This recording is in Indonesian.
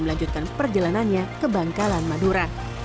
melanjutkan perjalanannya ke bangkalan madura